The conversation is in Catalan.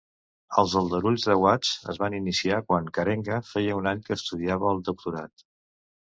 Els aldarulls de Watts es van iniciar quan Karenga feia un any que estudiava el doctorat.